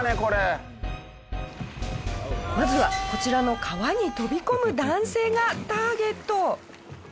まずはこちらの川に飛び込む男性がターゲット。